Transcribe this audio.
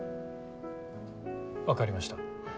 分かりました。